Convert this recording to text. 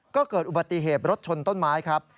ก็เกิดอุบัติเหตุรถชนต้นไม้ครับ